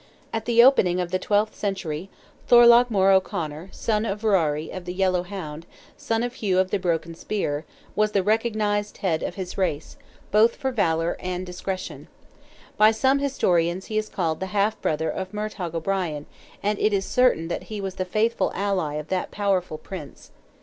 At the opening of the twelfth century, Thorlogh More O'Conor, son of Ruari of the Yellow Hound, son of Hugh of the Broken Spear, was the recognised head of his race, both for valour and discretion. By some historians he is called the half brother of Murtogh O'Brien, and it is certain that he was the faithful ally of that powerful prince.